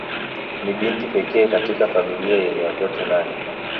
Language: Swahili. Ni binti pekee katika familia yenye watoto nane.